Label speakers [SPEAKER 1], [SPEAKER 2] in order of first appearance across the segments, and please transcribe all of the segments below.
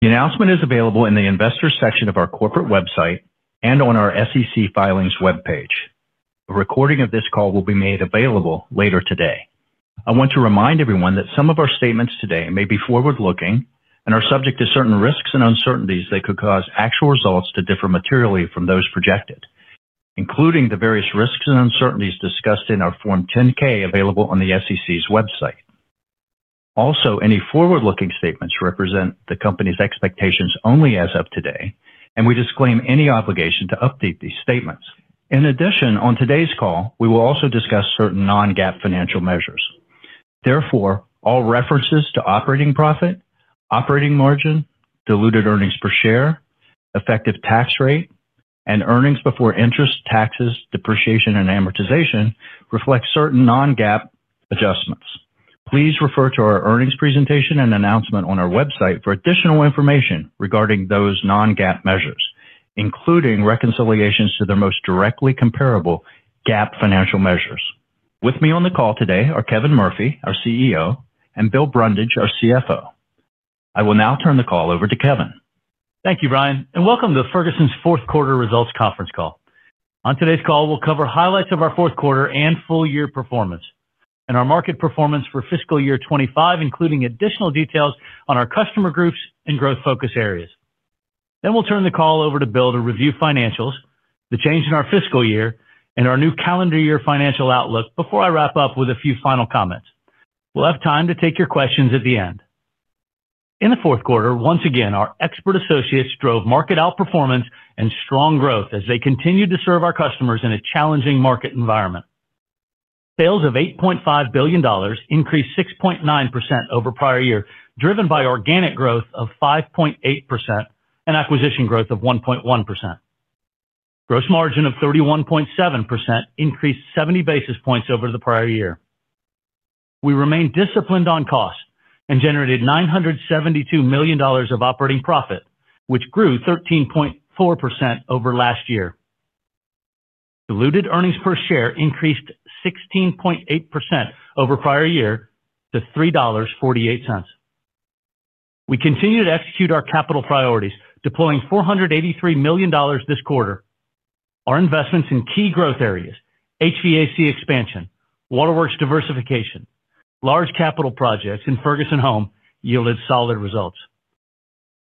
[SPEAKER 1] The announcement is available in the Investors section of our corporate website and on our SEC filings webpage. A recording of this call will be made available later today. I want to remind everyone that some of our statements today may be forward-looking and are subject to certain risks and uncertainties that could cause actual results to differ materially from those projected, including the various risks and uncertainties discussed in our Form 10-K available on the SEC's website. Also, any forward-looking statements represent the company's expectations only as of today, and we disclaim any obligation to update these statements. In addition, on today's call, we will also discuss certain non-GAAP financial measures. Therefore, all references to operating profit, operating margin, diluted EPS, effective tax rate, and EBITDA reflect certain non-GAAP adjustments. Please refer to our earnings presentation and announcement on our website for additional information regarding those non-GAAP measures, including reconciliations to their most directly comparable GAAP financial measures. With me on the call today are Kevin Murphy, our CEO, and Bill Brundage, our CFO. I will now turn the call over to Kevin.
[SPEAKER 2] Thank you, Brian, and welcome to the Ferguson plc Fourth Quarter Results Conference call. On today's call, we'll cover highlights of our fourth quarter and full-year performance and our market performance for fiscal year 2025, including additional details on our customer groups and growth focus areas. We'll turn the call over to Bill to review financials, the change in our fiscal year, and our new calendar year financial outlook before I wrap up with a few final comments. We'll have time to take your questions at the end. In the fourth quarter, once again, our expert associates drove market outperformance and strong growth as they continued to serve our customers in a challenging market environment. Sales of $8.5 billion increased 6.9% over prior year, driven by organic growth of 5.8% and acquisition growth of 1.1%. Gross margin of 31.7% increased 70 basis points over the prior year. We remained disciplined on costs and generated $972 million of operating profit, which grew 13.4% over last year. Diluted EPS increased 16.8% over prior year to $3.48. We continue to execute our capital priorities, deploying $483 million this quarter. Our investments in key growth areas, HVAC expansion, waterworks diversification, and large capital projects in Ferguson Home yielded solid results.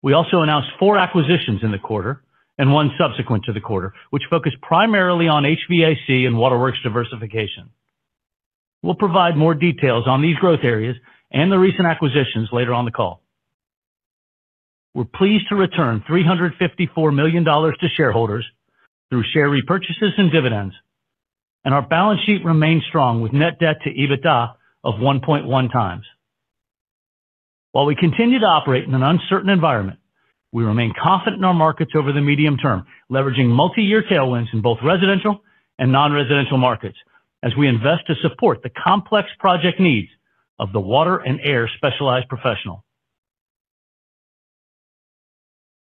[SPEAKER 2] We also announced four acquisitions in the quarter and one subsequent to the quarter, which focused primarily on HVAC and waterworks diversification. We'll provide more details on these growth areas and the recent acquisitions later on the call. We're pleased to return $354 million to shareholders through share repurchases and dividends, and our balance sheet remains strong with net debt to EBITDA of 1.1 times. While we continue to operate in an uncertain environment, we remain confident in our markets over the medium term, leveraging multi-year tailwinds in both residential and non-residential markets as we invest to support the complex project needs of the water and air specialized professional.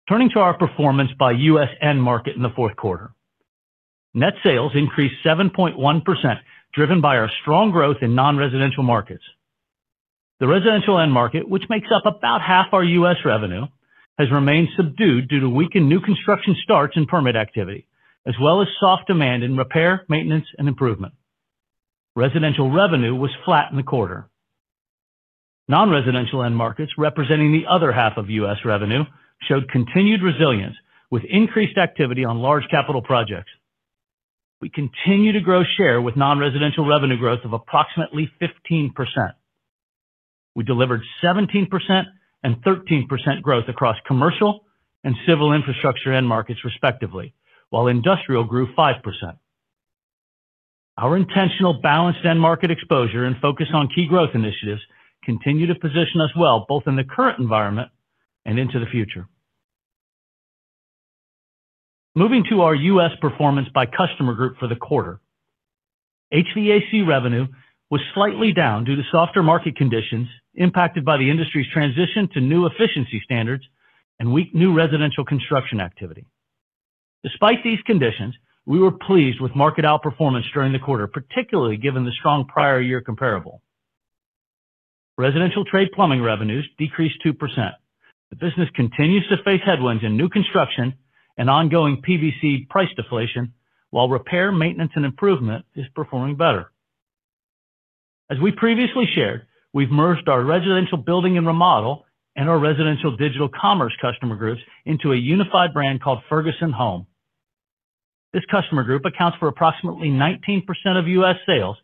[SPEAKER 2] Turning to our performance by U.S. end market in the fourth quarter, net sales increased 7.1%, driven by our strong growth in non-residential markets. The residential end market, which makes up about half our U.S. revenue, has remained subdued due to weakened new construction starts and permit activity, as well as soft demand in repair, maintenance, and improvement. Residential revenue was flat in the quarter. Non-residential end markets, representing the other half of U.S. Revenue showed continued resilience with increased activity on large capital projects. We continue to grow share with non-residential revenue growth of approximately 15%. We delivered 17% and 13% growth across commercial and civil infrastructure end markets, respectively, while industrial grew 5%. Our intentional balanced end market exposure and focus on key growth initiatives continue to position us well both in the current environment and into the future. Moving to our U.S. performance by customer group for the quarter, HVAC revenue was slightly down due to softer market conditions impacted by the industry's transition to new efficiency standards and weak new residential construction activity. Despite these conditions, we were pleased with market outperformance during the quarter, particularly given the strong prior year comparable. Residential trade plumbing revenues decreased 2%. The business continues to face headwinds in new construction and ongoing PVC price deflation, while repair, maintenance, and improvement are performing better. As we previously shared, we've merged our residential building and remodel and our residential digital commerce customer groups into a unified brand called Ferguson Home. This customer group accounts for approximately 19% of U.S. sales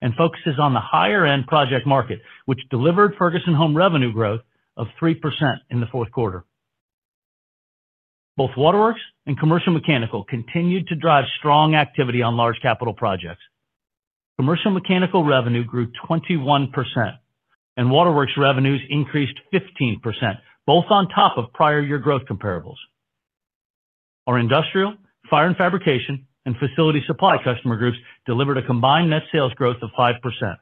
[SPEAKER 2] and focuses on the higher-end project market, which delivered Ferguson Home revenue growth of 3% in the fourth quarter. Both waterworks and commercial mechanical continued to drive strong activity on large capital projects. Commercial mechanical revenue grew 21%, and waterworks revenues increased 15%, both on top of prior year growth comparables. Our industrial, fire and fabrication, and facility supply customer groups delivered a combined net sales growth of 5%.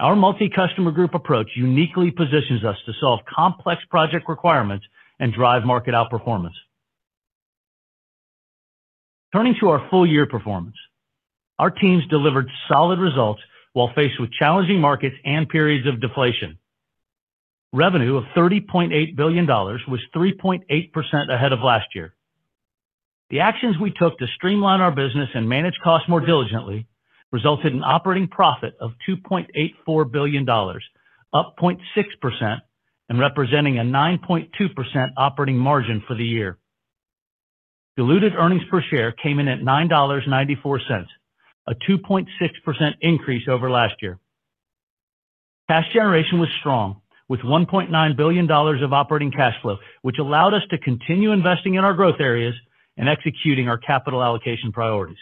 [SPEAKER 2] Our multi-customer group approach uniquely positions us to solve complex project requirements and drive market outperformance. Turning to our full-year performance, our teams delivered solid results while faced with challenging markets and periods of deflation. Revenue of $30.8 billion was 3.8% ahead of last year. The actions we took to streamline our business and manage costs more diligently resulted in operating profit of $2.84 billion, up 0.6% and representing a 9.2% operating margin for the year. Diluted EPS came in at $9.94, a 2.6% increase over last year. Cash generation was strong with $1.9 billion of operating cash flow, which allowed us to continue investing in our growth areas and executing our capital allocation priorities.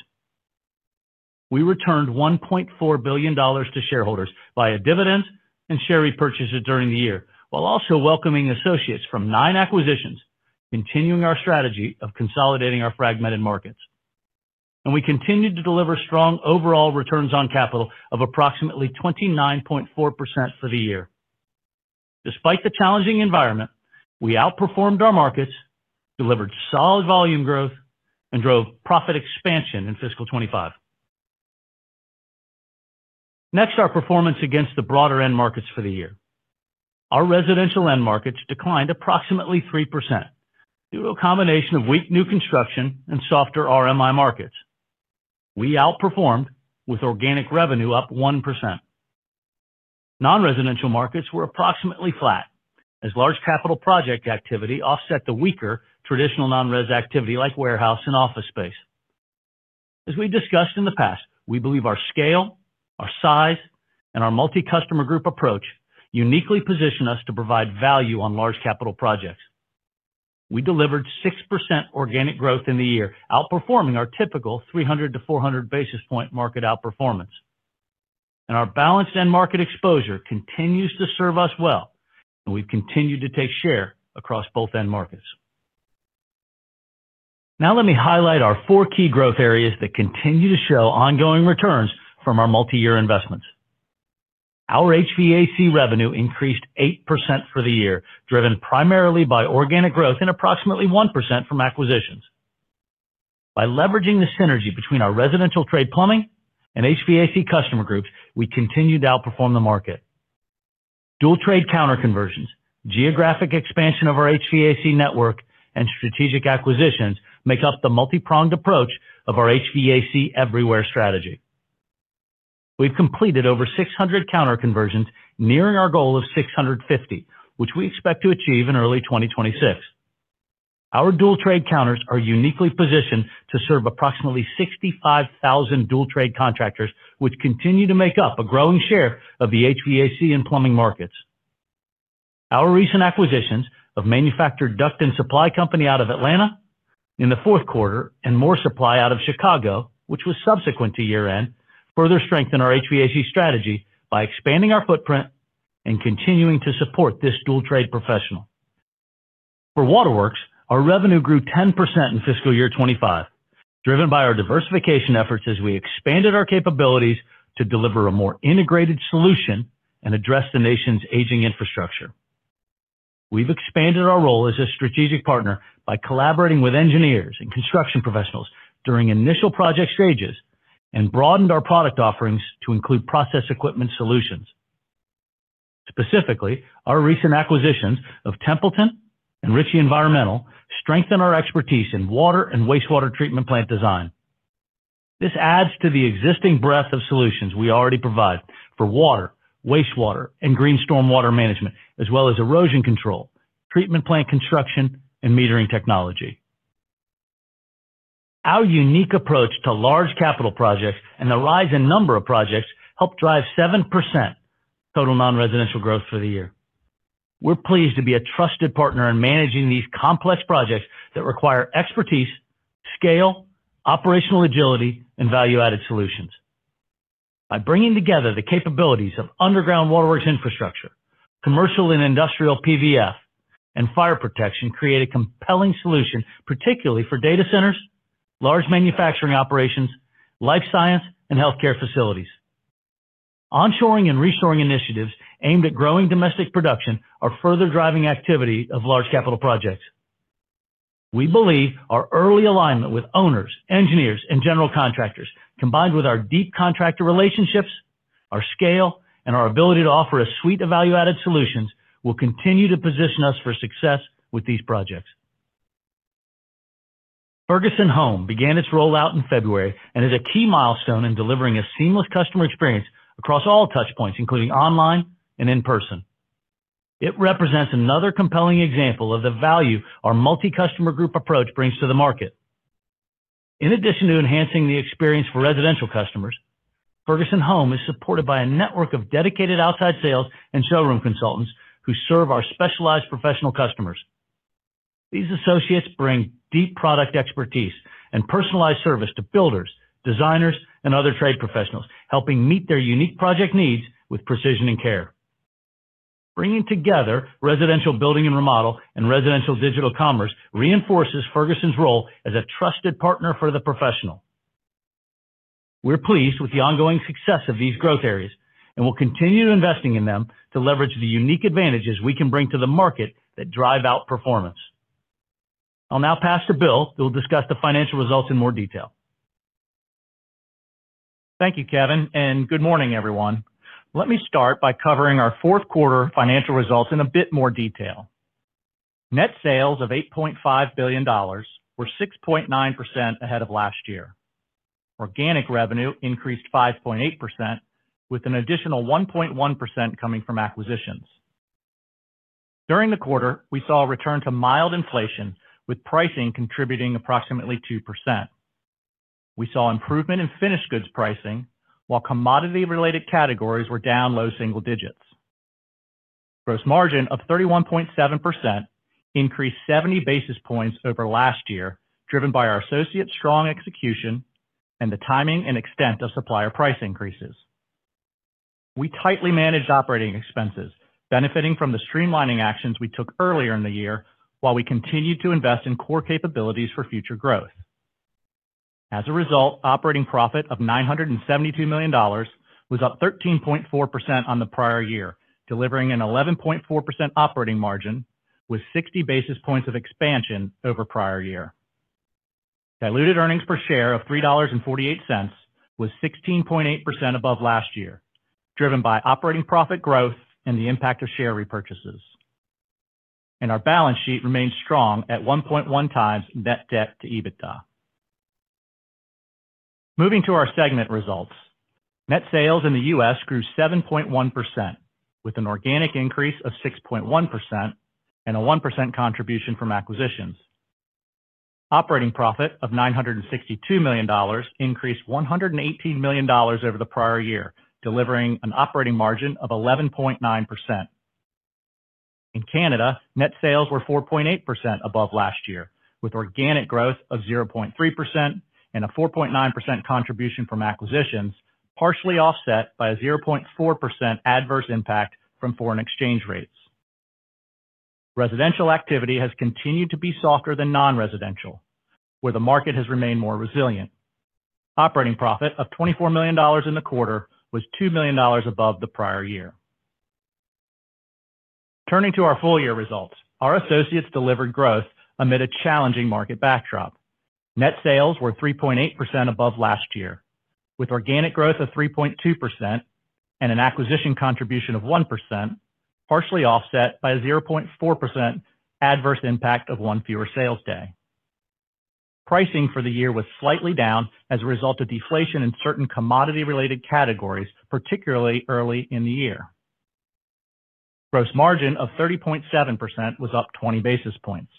[SPEAKER 2] We returned $1.4 billion to shareholders via dividends and share repurchases during the year, while also welcoming associates from nine acquisitions, continuing our strategy of consolidating our fragmented markets. We continued to deliver strong overall returns on capital of approximately 29.4% for the year. Despite the challenging environment, we outperformed our markets, delivered solid volume growth, and drove profit expansion in fiscal 2025. Next, our performance against the broader end markets for the year. Our residential end markets declined approximately 3% due to a combination of weak new construction and softer RMI markets. We outperformed with organic revenue up 1%. Non-residential markets were approximately flat, as large capital project activity offset the weaker traditional non-residential activity like warehouse and office space. As we discussed in the past, we believe our scale, our size, and our multi-customer group approach uniquely position us to provide value on large capital projects. We delivered 6% organic growth in the year, outperforming our typical 300 to 400 basis point market outperformance. Our balanced end market exposure continues to serve us well, and we've continued to take share across both end markets. Now let me highlight our four key growth areas that continue to show ongoing returns from our multi-year investments. Our HVAC revenue increased 8% for the year, driven primarily by organic growth and approximately 1% from acquisitions. By leveraging the synergy between our residential trade plumbing and HVAC customer groups, we continued to outperform the market. Dual-trade counter-conversions, geographic expansion of our HVAC network, and strategic acquisitions make up the multi-pronged approach of our HVAC everywhere strategy. We've completed over 600 counter-conversions, nearing our goal of 650, which we expect to achieve in early 2026. Our dual-trade counters are uniquely positioned to serve approximately 65,000 dual-trade contractors, which continue to make up a growing share of the HVAC and plumbing markets. Our recent acquisitions of Manufacturer Duct and Supply Company out of Atlanta in the fourth quarter and Moore Supply out of Chicago, which was subsequent to year-end, further strengthen our HVAC strategy by expanding our footprint and continuing to support this dual-trade professional. For waterworks, our revenue grew 10% in fiscal year 2025, driven by our diversification efforts as we expanded our capabilities to deliver a more integrated solution and address the nation's aging infrastructure. We've expanded our role as a strategic partner by collaborating with engineers and construction professionals during initial project stages and broadened our product offerings to include process equipment solutions. Specifically, our recent acquisitions of Templeton and Ritchie Environmental Solutions strengthen our expertise in water and wastewater treatment plant design. This adds to the existing breadth of solutions we already provide for water, wastewater, and green stormwater management, as well as erosion control, treatment plant construction, and metering technology. Our unique approach to large capital projects and the rise in number of projects helped drive 7% total non-residential growth for the year. We're pleased to be a trusted partner in managing these complex projects that require expertise, scale, operational agility, and value-added solutions. By bringing together the capabilities of underground waterworks infrastructure, commercial and industrial PVF, and fire protection, we create a compelling solution, particularly for data centers, large manufacturing operations, life science, and healthcare facilities. Onshoring and reshoring initiatives aimed at growing domestic production are further driving activity of large capital projects. We believe our early alignment with owners, engineers, and general contractors, combined with our deep contractor relationships, our scale, and our ability to offer a suite of value-added solutions, will continue to position us for success with these projects. Ferguson Home began its rollout in February and is a key milestone in delivering a seamless customer experience across all touchpoints, including online and in-person. It represents another compelling example of the value our multi-customer group approach brings to the market. In addition to enhancing the experience for residential customers, Ferguson Home is supported by a network of dedicated outside sales and showroom consultants who serve our specialized professional customers. These associates bring deep product expertise and personalized service to builders, designers, and other trade professionals, helping meet their unique project needs with precision and care. Bringing together residential building and remodel and residential digital commerce reinforces Ferguson's role as a trusted partner for the professional. We're pleased with the ongoing success of these growth areas and will continue investing in them to leverage the unique advantages we can bring to the market that drive outperformance. I'll now pass to Bill, who will discuss the financial results in more detail.
[SPEAKER 3] Thank you, Kevin, and good morning, everyone. Let me start by covering our fourth quarter financial results in a bit more detail. Net sales of $8.5 billion were 6.9% ahead of last year. Organic revenue increased 5.8%, with an additional 1.1% coming from acquisitions. During the quarter, we saw a return to mild inflation, with pricing contributing approximately 2%. We saw improvement in finished goods pricing, while commodity-related categories were down low single digits. Gross margin of 31.7% increased 70 basis points over last year, driven by our associates' strong execution and the timing and extent of supplier price increases. We tightly managed operating expenses, benefiting from the streamlining actions we took earlier in the year, while we continued to invest in core capabilities for future growth. As a result, operating profit of $972 million was up 13.4% on the prior year, delivering an 11.4% operating margin with 60 basis points of expansion over prior year. Diluted earnings per share of $3.48 was 16.8% above last year, driven by operating profit growth and the impact of share repurchases. Our balance sheet remains strong at 1.1 times net debt to EBITDA. Moving to our segment results, net sales in the U.S. grew 7.1%, with an organic increase of 6.1% and a 1% contribution from acquisitions. Operating profit of $962 million increased $118 million over the prior year, delivering an operating margin of 11.9%. In Canada, net sales were 4.8% above last year, with organic growth of 0.3% and a 4.9% contribution from acquisitions, partially offset by a 0.4% adverse impact from foreign exchange rates. Residential activity has continued to be softer than non-residential, where the market has remained more resilient. Operating profit of $24 million in the quarter was $2 million above the prior year. Turning to our full-year results, our associates delivered growth amid a challenging market backdrop. Net sales were 3.8% above last year, with organic growth of 3.2% and an acquisition contribution of 1%, partially offset by a 0.4% adverse impact of one fewer sales day. Pricing for the year was slightly down as a result of deflation in certain commodity-related categories, particularly early in the year. Gross margin of 30.7% was up 20 basis points.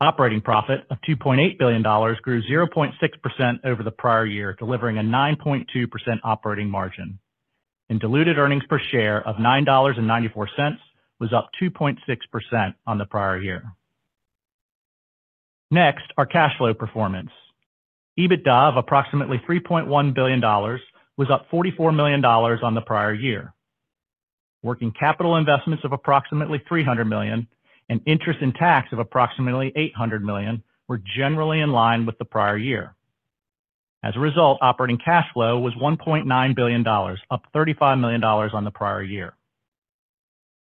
[SPEAKER 3] Operating profit of $2.8 billion grew 0.6% over the prior year, delivering a 9.2% operating margin. Diluted earnings per share of $9.94 was up 2.6% on the prior year. Next, our cash flow performance. EBITDA of approximately $3.1 billion was up $44 million on the prior year. Working capital investments of approximately $300 million and interest and tax of approximately $800 million were generally in line with the prior year. As a result, operating cash flow was $1.9 billion, up $35 million on the prior year.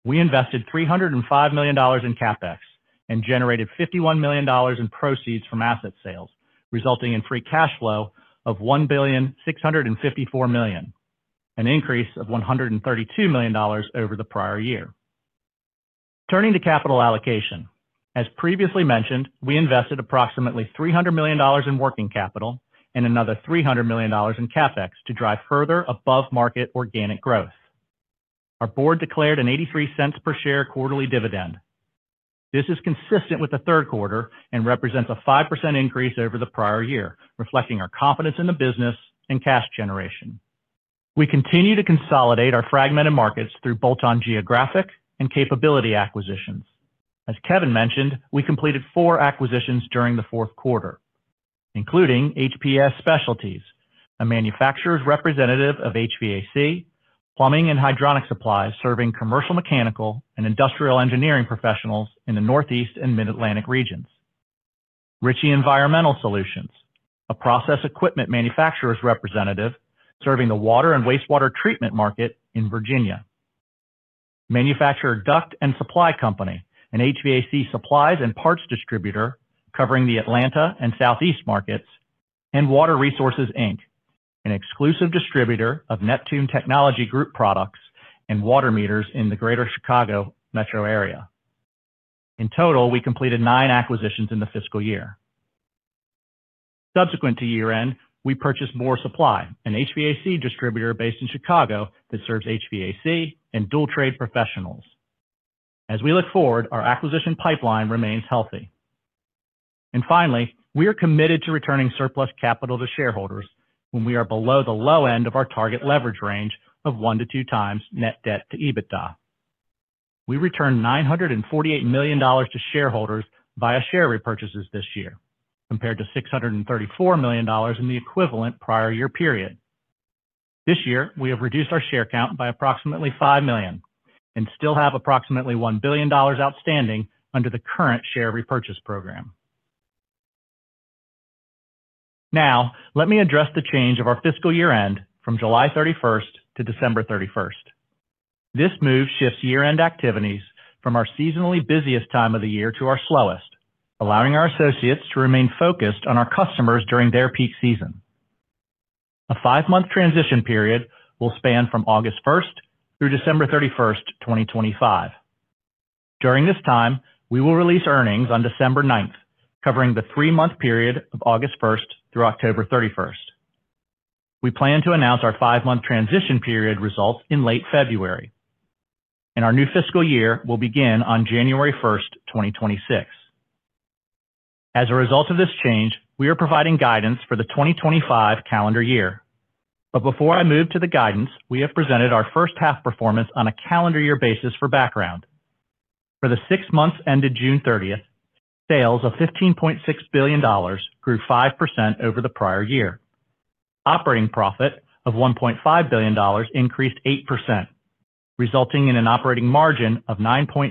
[SPEAKER 3] We invested $305 million in CapEx and generated $51 million in proceeds from asset sales, resulting in free cash flow of $1,654 million, an increase of $132 million over the prior year. Turning to capital allocation, as previously mentioned, we invested approximately $300 million in working capital and another $300 million in CapEx to drive further above-market organic growth. Our board declared a $0.83 per share quarterly dividend. This is consistent with the third quarter and represents a 5% increase over the prior year, reflecting our confidence in the business and cash generation. We continue to consolidate our fragmented markets through bolt-on geographic and capability acquisitions. As Kevin Murphy mentioned, we completed four acquisitions during the fourth quarter, including HPS Specialties, a manufacturer's representative of HVAC, plumbing and hydronic supplies serving commercial mechanical and industrial engineering professionals in the Northeast and Mid-Atlantic regions. Ritchie Environmental Solutions, a process equipment manufacturer's representative serving the water and wastewater treatment market in Virginia. Manufacturer Duct and Supply Company, an HVAC supplies and parts distributor covering the Atlanta and Southeast markets, and Water Resources Inc., an exclusive distributor of Neptune Technology Group products and water meters in the Greater Chicago metro area. In total, we completed nine acquisitions in the fiscal year. Subsequent to year-end, we purchased Moore Supply, an HVAC distributor based in Chicago that serves HVAC and dual-trade professionals. As we look forward, our acquisition pipeline remains healthy. Finally, we are committed to returning surplus capital to shareholders when we are below the low end of our target leverage range of 1 to 2 times net debt to EBITDA. We returned $948 million to shareholders via share repurchases this year, compared to $634 million in the equivalent prior year period. This year, we have reduced our share count by approximately 5 million and still have approximately $1 billion outstanding under the current share repurchase program. Now, let me address the change of our fiscal year end from July 31st to December 31st. This move shifts year-end activities from our seasonally busiest time of the year to our slowest, allowing our associates to remain focused on our customers during their peak season. A five-month transition period will span from August 1st through December 31st, 2025. During this time, we will release earnings on December 9th, covering the three-month period of August 1st through October 31st. We plan to announce our five-month transition period results in late February. Our new fiscal year will begin on January 1st, 2026. As a result of this change, we are providing guidance for the 2025 calendar year. Before I move to the guidance, we have presented our first half performance on a calendar year basis for background. For the six months ended June 30th, sales of $15.6 billion grew 5% over the prior year. Operating profit of $1.5 billion increased 8%, resulting in an operating margin of 9.6%,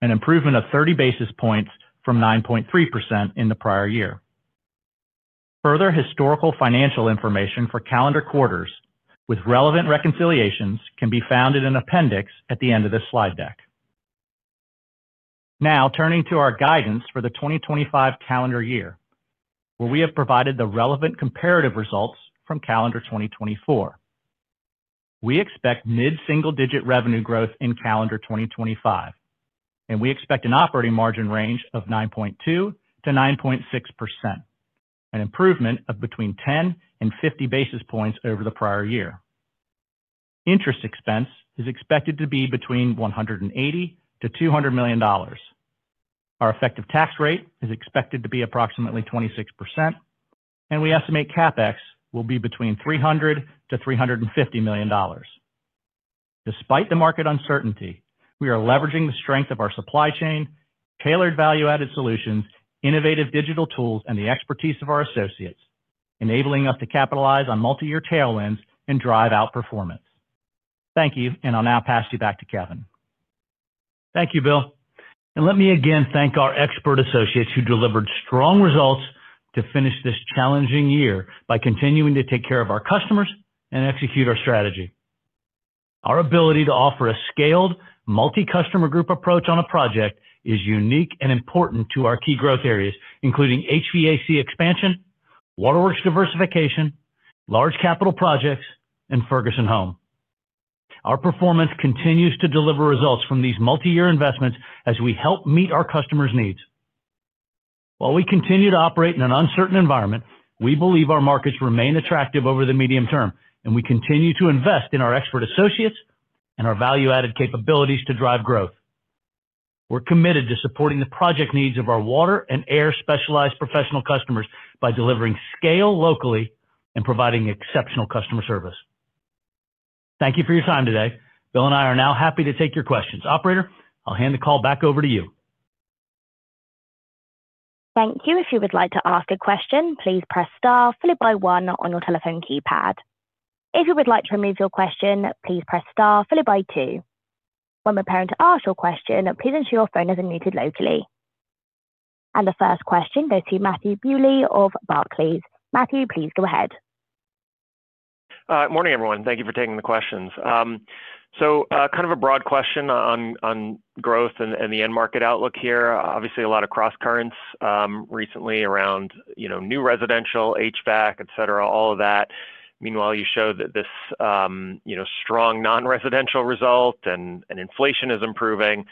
[SPEAKER 3] an improvement of 30 basis points from 9.3% in the prior year. Further historical financial information for calendar quarters with relevant reconciliations can be found in an appendix at the end of this slide deck. Now, turning to our guidance for the 2025 calendar year, where we have provided the relevant comparative results from calendar 2024. We expect mid-single-digit revenue growth in calendar 2025, and we expect an operating margin range of 9.2% to 9.6%, an improvement of between 10 and 50 basis points over the prior year. Interest expense is expected to be between $180 million to $200 million. Our effective tax rate is expected to be approximately 26%, and we estimate capex will be between $300 million to $350 million. Despite the market uncertainty, we are leveraging the strength of our supply chain, tailored value-added solutions, innovative digital tools, and the expertise of our associates, enabling us to capitalize on multi-year tailwinds and drive outperformance. Thank you, and I'll now pass you back to Kevin.
[SPEAKER 2] Thank you, Bill. Let me again thank our expert associates who delivered strong results to finish this challenging year by continuing to take care of our customers and execute our strategy. Our ability to offer a scaled multi-customer group approach on a project is unique and important to our key growth areas, including HVAC expansion, waterworks diversification, large capital projects, and Ferguson Home. Our performance continues to deliver results from these multi-year investments as we help meet our customers' needs. While we continue to operate in an uncertain environment, we believe our markets remain attractive over the medium term, and we continue to invest in our expert associates and our value-added capabilities to drive growth. We're committed to supporting the project needs of our water and air specialized professional customers by delivering scale locally and providing exceptional customer service. Thank you for your time today. Bill and I are now happy to take your questions. Operator, I'll hand the call back over to you.
[SPEAKER 4] Thank you. If you would like to ask a question, please press star followed by one on your telephone keypad. If you would like to remove your question, please press star followed by two. When preparing to ask your question, please ensure your phone is unmuted locally. The first question goes to Matthew Bewley of Barclays. Matthew, please go ahead.
[SPEAKER 5] Morning, everyone. Thank you for taking the questions. Kind of a broad question on growth and the end market outlook here. Obviously, a lot of cross-currents recently around new residential, HVAC, et cetera, all of that. Meanwhile, you showed that this strong non-residential result and inflation is improving.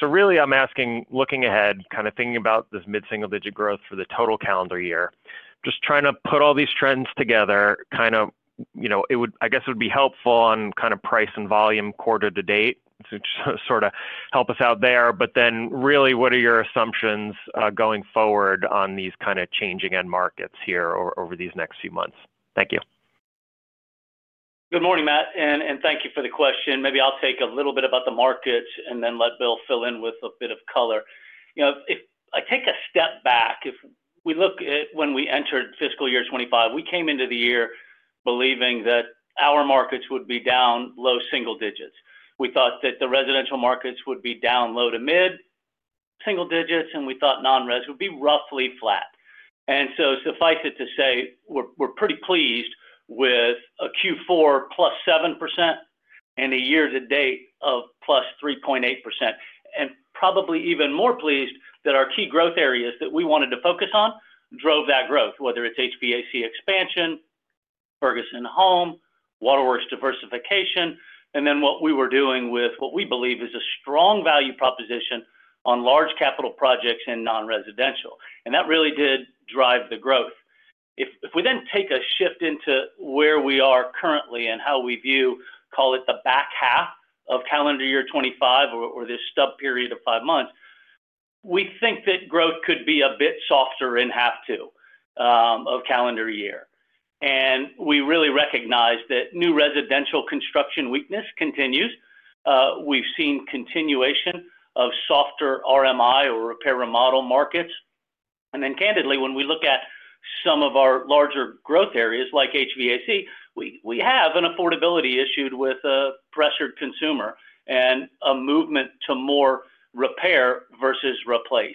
[SPEAKER 5] Really, I'm asking, looking ahead, kind of thinking about this mid-single-digit growth for the total calendar year, just trying to put all these trends together. I guess it would be helpful on kind of price and volume quarter to date to sort of help us out there. What are your assumptions going forward on these kind of changing end markets here over these next few months? Thank you.
[SPEAKER 2] Good morning, Matt. Thank you for the question. Maybe I'll take a little bit about the markets and then let Bill fill in with a bit of color. You know, if I take a step back, if we look at when we entered fiscal year 2025, we came into the year believing that our markets would be down low single digits. We thought that the residential markets would be down low to mid-single digits, and we thought non-res would be roughly flat. Suffice it to say, we're pretty pleased with a Q4 plus 7% and a year to date of plus 3.8%. Probably even more pleased that our key growth areas that we wanted to focus on drove that growth, whether it's HVAC expansion, Ferguson Home, waterworks diversification, and then what we were doing with what we believe is a strong value proposition on large capital projects and non-residential. That really did drive the growth. If we then take a shift into where we are currently and how we view, call it the back half of calendar year 2025 or this stub period of five months, we think that growth could be a bit softer in half two of calendar year. We really recognize that new residential construction weakness continues. We've seen continuation of softer RMI or repair remodel markets. Candidly, when we look at some of our larger growth areas like HVAC, we have an affordability issue with a pressured consumer and a movement to more repair versus replace.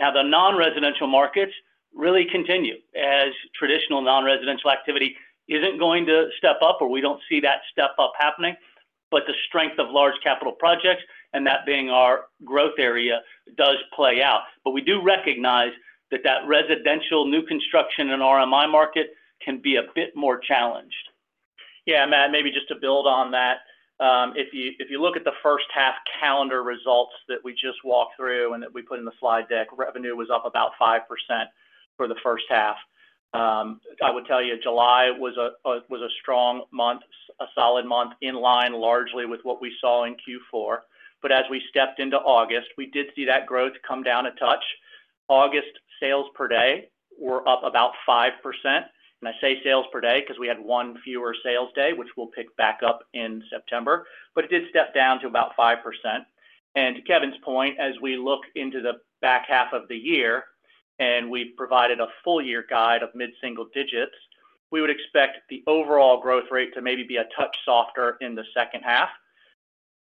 [SPEAKER 2] The non-residential markets really continue as traditional non-residential activity isn't going to step up or we don't see that step up happening. The strength of large capital projects and that being our growth area does play out. We do recognize that that residential new construction and RMI market can be a bit more challenged.
[SPEAKER 3] Yeah, Matt. Maybe just to build on that, if you look at the first half calendar results that we just walked through and that we put in the slide deck, revenue was up about 5% for the first half. I would tell you July was a strong month, a solid month in line largely with what we saw in Q4. As we stepped into August, we did see that growth come down a touch. August sales per day were up about 5%. I say sales per day because we had one fewer sales day, which we'll pick back up in September. It did step down to about 5%. To Kevin's point, as we look into the back half of the year and we provided a full-year guide of mid-single digits, we would expect the overall growth rate to maybe be a touch softer in the second half.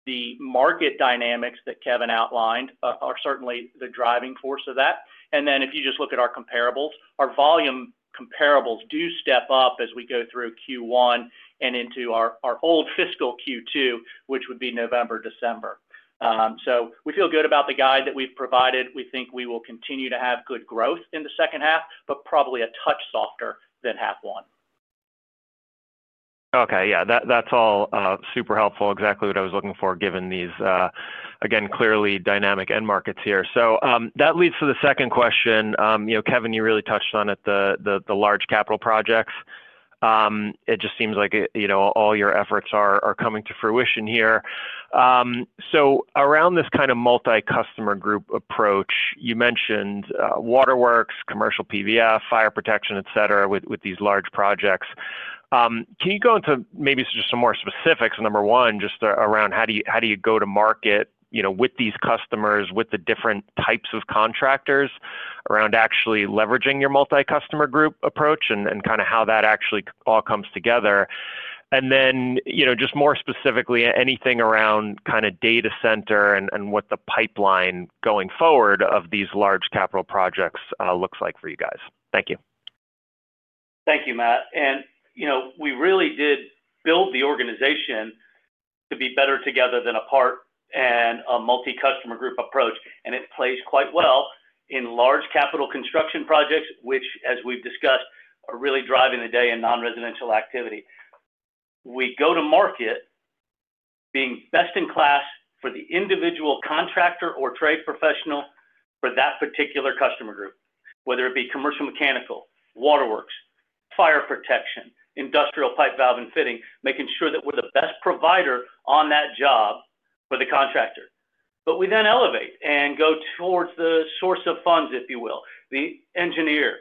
[SPEAKER 3] The market dynamics that Kevin outlined are certainly the driving force of that. If you just look at our comparables, our volume comparables do step up as we go through Q1 and into our old fiscal Q2, which would be November, December. We feel good about the guide that we've provided. We think we will continue to have good growth in the second half, but probably a touch softer than half one.
[SPEAKER 5] Okay. Yeah, that's all super helpful, exactly what I was looking for, given these, again, clearly dynamic end markets here. That leads to the second question. You know, Kevin, you really touched on it, the large capital projects. It just seems like, you know, all your efforts are coming to fruition here. Around this kind of multi-customer group approach, you mentioned waterworks, commercial PVF, fire protection, et cetera, with these large projects. Can you go into maybe just some more specifics, number one, just around how do you go to market, you know, with these customers, with the different types of contractors around actually leveraging your multi-customer group approach and kind of how that actually all comes together? Then, you know, just more specifically, anything around kind of data center and what the pipeline going forward of these large capital projects looks like for you guys. Thank you.
[SPEAKER 2] Thank you, Matt. We really did build the organization to be better together than apart and a multi-customer group approach. It plays quite well in large capital construction projects, which, as we've discussed, are really driving a day in non-residential activity. We go to market being best in class for the individual contractor or trade professional for that particular customer group, whether it be commercial mechanical, waterworks, fire protection, industrial pipe, valve and fitting, making sure that we're the best provider on that job for the contractor. We then elevate and go towards the source of funds, if you will, the engineer,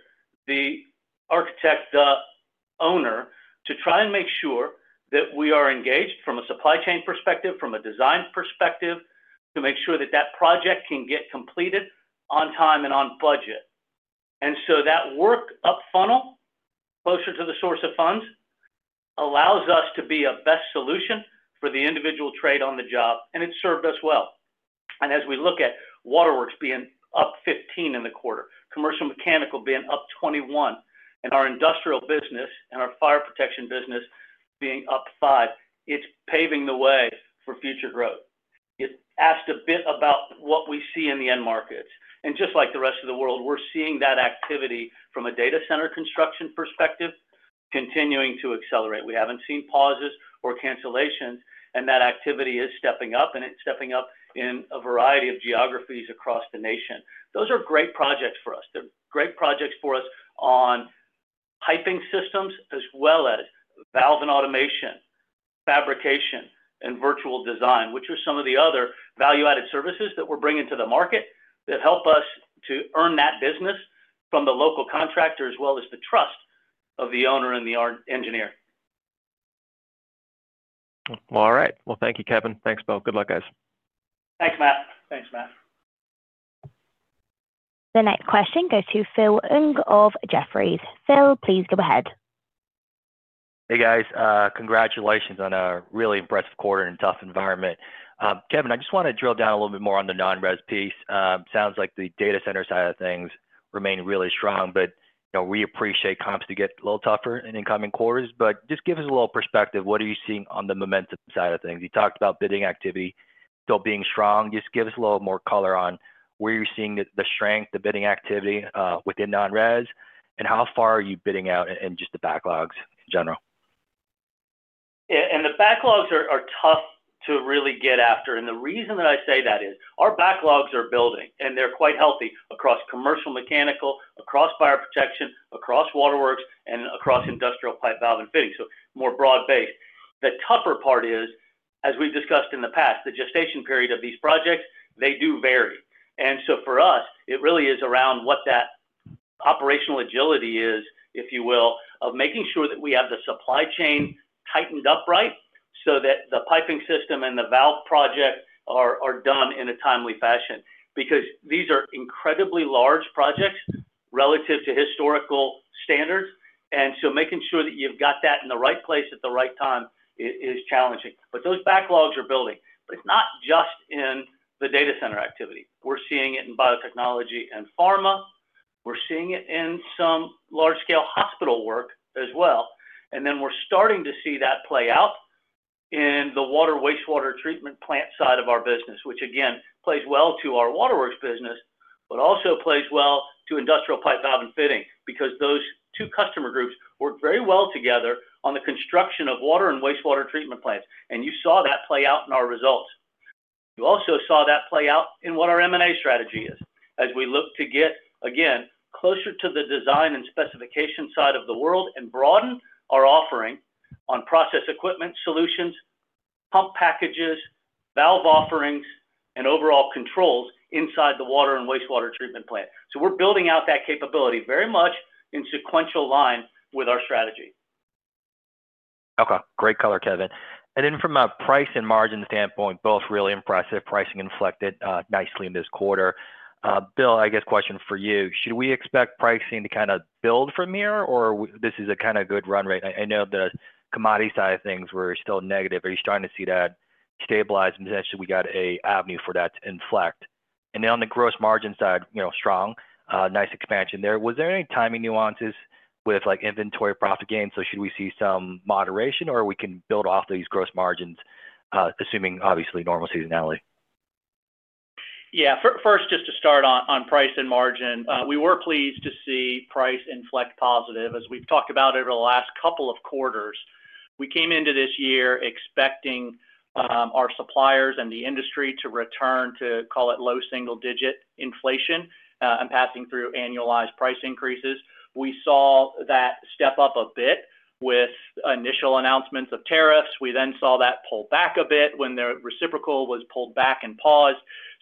[SPEAKER 2] the architect, the owner, to try and make sure that we are engaged from a supply chain perspective, from a design perspective, to make sure that that project can get completed on time and on budget. That work up funnel closer to the source of funds allows us to be a best solution for the individual trade on the job, and it's served us well. As we look at waterworks being up 15% in the quarter, commercial mechanical being up 21%, and our industrial business and our fire protection business being up 5%, it's paving the way for future growth. You asked a bit about what we see in the end markets. Just like the rest of the world, we're seeing that activity from a data center construction perspective continuing to accelerate. We haven't seen pauses or cancellations, and that activity is stepping up, and it's stepping up in a variety of geographies across the nation. Those are great projects for us. They're great projects for us on piping systems as well as valve and automation, fabrication, and virtual design, which are some of the other value-added services that we're bringing to the market that help us to earn that business from the local contractor as well as the trust of the owner and the engineer.
[SPEAKER 5] All right. Thank you, Kevin. Thanks, Bill. Good luck, guys.
[SPEAKER 2] Thanks, Matt.
[SPEAKER 3] Thanks, Matt.
[SPEAKER 4] Thanks, Matt. The next question goes to Phil Ng of Jefferies. Phil, please go ahead.
[SPEAKER 6] Hey, guys. Congratulations on a really impressive quarter in a tough environment. Kevin, I just want to drill down a little bit more on the non-res piece. Sounds like the data center side of things remains really strong. We appreciate comps to get a little tougher in incoming quarters. Just give us a little perspective. What are you seeing on the momentum side of things? You talked about bidding activity still being strong. Just give us a little more color on where you're seeing the strength, the bidding activity within non-res, and how far are you bidding out in just the backlogs in general?
[SPEAKER 2] Yeah, the backlogs are tough to really get after. The reason that I say that is our backlogs are building, and they're quite healthy across commercial mechanical, across fire protection, across waterworks, and across industrial pipe, valve, and fittings, so more broad-based. The tougher part is, as we've discussed in the past, the gestation period of these projects does vary. For us, it really is around what that operational agility is, if you will, of making sure that we have the supply chain tightened up right so that the piping system and the valve project are done in a timely fashion because these are incredibly large projects relative to historical standards. Making sure that you've got that in the right place at the right time is challenging. Those backlogs are building. It's not just in the data center activity. We're seeing it in biotechnology and pharma. We're seeing it in some large-scale hospital work as well. We're starting to see that play out in the water and wastewater treatment plant side of our business, which again plays well to our waterworks business, but also plays well to industrial pipe, valve, and fitting because those two customer groups work very well together on the construction of water and wastewater treatment plants. You saw that play out in our results. You also saw that play out in what our M&A strategy is as we look to get again closer to the design and specification side of the world and broaden our offering on process equipment solutions, pump packages, valve offerings, and overall controls inside the water and wastewater treatment plant. We're building out that capability very much in sequential lines with our strategy.
[SPEAKER 6] Okay. Great color, Kevin. From a price and margin standpoint, both really impressive. Pricing inflected nicely in this quarter. Bill, I guess question for you. Should we expect pricing to kind of build from here, or this is a kind of good run rate? I know the commodity side of things were still negative. Are you starting to see that stabilize? Essentially, we got an avenue for that to inflect. On the gross margin side, you know, strong, nice expansion there. Was there any timing nuances with like inventory profit gain? Should we see some moderation, or we can build off these gross margins, assuming obviously normal seasonality?
[SPEAKER 3] Yeah, first just to start on price and margin, we were pleased to see price inflect positive. As we've talked about over the last couple of quarters, we came into this year expecting our suppliers and the industry to return to, call it, low single-digit inflation and passing through annualized price increases. We saw that step up a bit with initial announcements of tariffs. We then saw that pull back a bit when the reciprocal was pulled back and paused.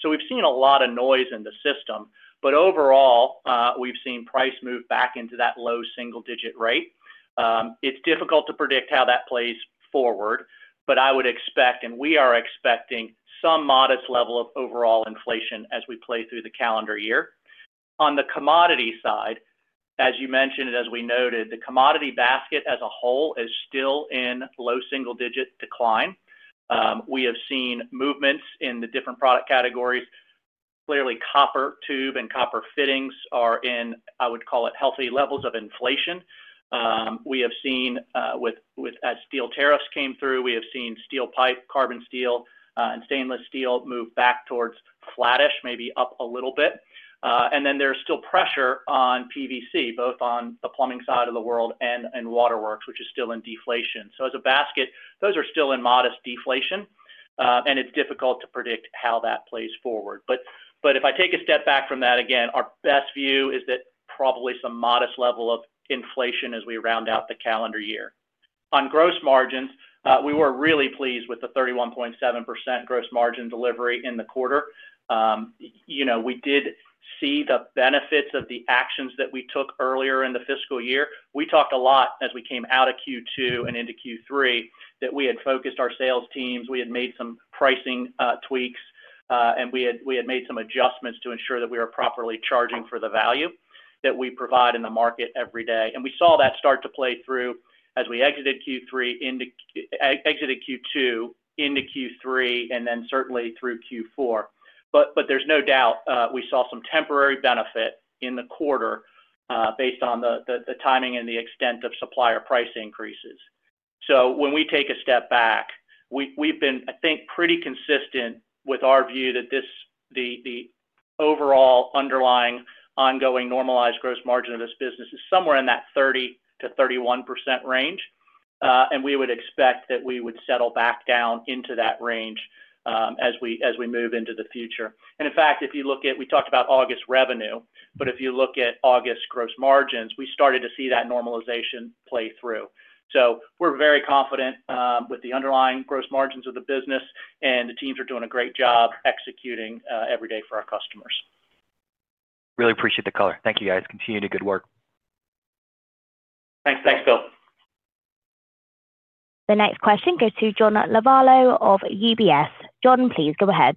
[SPEAKER 3] We have seen a lot of noise in the system. Overall, we've seen price move back into that low single-digit rate. It's difficult to predict how that plays forward, but I would expect, and we are expecting, some modest level of overall inflation as we play through the calendar year. On the commodity side, as you mentioned, as we noted, the commodity basket as a whole is still in low single-digit decline. We have seen movements in the different product categories. Clearly, copper tube and copper fittings are in, I would call it, healthy levels of inflation. We have seen, as steel tariffs came through, steel pipe, carbon steel, and stainless steel move back towards flattish, maybe up a little bit. There is still pressure on PVC, both on the plumbing side of the world and waterworks, which is still in deflation. As a basket, those are still in modest deflation, and it's difficult to predict how that plays forward. If I take a step back from that, again, our best view is that probably some modest level of inflation as we round out the calendar year. On gross margins, we were really pleased with the 31.7% gross margin delivery in the quarter. We did see the benefits of the actions that we took earlier in the fiscal year. We talked a lot as we came out of Q2 and into Q3 that we had focused our sales teams, we had made some pricing tweaks, and we had made some adjustments to ensure that we were properly charging for the value that we provide in the market every day. We saw that start to play through as we exited Q2 into Q3 and then certainly through Q4. There is no doubt we saw some temporary benefit in the quarter based on the timing and the extent of supplier price increases. When we take a step back, we've been, I think, pretty consistent with our view that the overall underlying ongoing normalized gross margin of this business is somewhere in that 30 to 31% range. We would expect that we would settle back down into that range as we move into the future. If you look at, we talked about August revenue, but if you look at August gross margins, we started to see that normalization play through. We're very confident with the underlying gross margins of the business, and the teams are doing a great job executing every day for our customers.
[SPEAKER 6] Really appreciate the color. Thank you, guys. Continue the good work.
[SPEAKER 3] Thanks, Bill.
[SPEAKER 4] The next question goes to John Lavallo of UBS. John, please go ahead.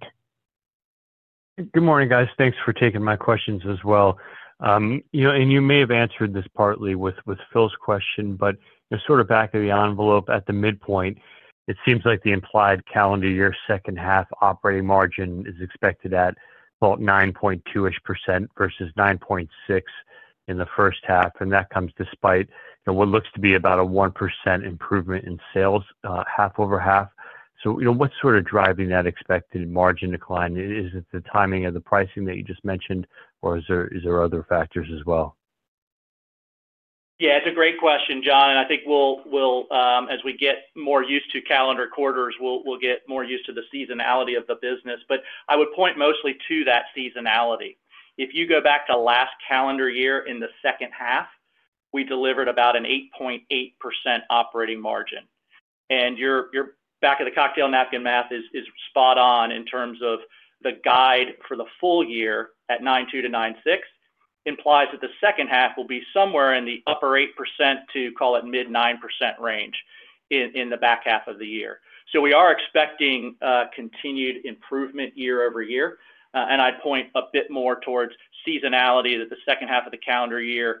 [SPEAKER 7] Good morning, guys. Thanks for taking my questions as well. You know, and you may have answered this partly with Phil's question, but sort of back of the envelope at the midpoint, it seems like the implied calendar year second half operating margin is expected at about 9.2% versus 9.6% in the first half. That comes despite what looks to be about a 1% improvement in sales half over half. You know, what's sort of driving that expected margin decline? Is it the timing of the pricing that you just mentioned, or are there other factors as well?
[SPEAKER 3] Yeah, it's a great question, John. I think we'll, as we get more used to calendar quarters, get more used to the seasonality of the business. I would point mostly to that seasonality. If you go back to last calendar year in the second half, we delivered about an 8.8% operating margin. Your back-of-the-cocktail napkin math is spot on in terms of the guide for the full year at 9.2% to 9.6%, which implies that the second half will be somewhere in the upper 8% to, call it, mid 9% range in the back half of the year. We are expecting continued improvement year over year. I'd point a bit more towards seasonality, that the second half of the calendar year